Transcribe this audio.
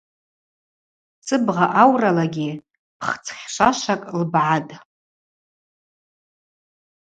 Сыбгъа ауралагьи пхдзхьшвашвакӏ лбгӏатӏ.